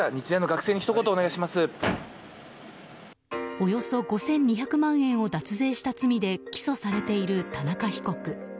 およそ５２００万円を脱税した罪で起訴されている田中被告。